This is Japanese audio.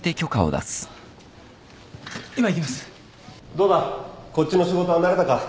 どうだこっちの仕事は慣れたか？